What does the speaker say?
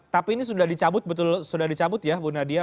tapi ini sudah dicabut ya bu nadia